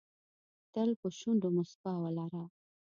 تل په شونډو موسکا ولره .